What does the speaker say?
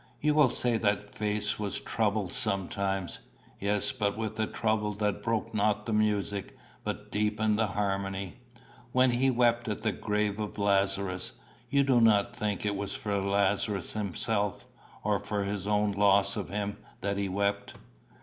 You will say that face was troubled sometimes. Yes, but with a trouble that broke not the music, but deepened the harmony. When he wept at the grave of Lazarus, you do not think it was for Lazarus himself, or for his own loss of him, that he wept?